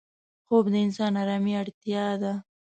خوب د انسان آرامي اړتیا ده